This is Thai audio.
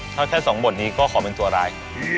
ถ้าแค่๒บทนี้ก็ขอเป็นตัวร้าย